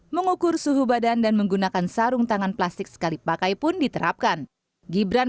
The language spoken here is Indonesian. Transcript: mengukur suhu badan dan menggunakan sarung tangan plastik sekali pakai pun diterapkan gibran